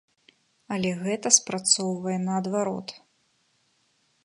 Але гэта спрацоўвае наадварот.